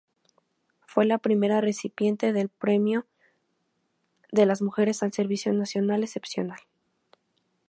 Fue la primera recipiente del Premio de las Mujeres al servicio nacional excepcional.